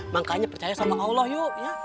makanya percaya sama allah yu